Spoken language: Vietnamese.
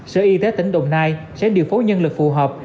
sở y tế tỉnh đồng nai sẽ điều phối nhân lực phù hợp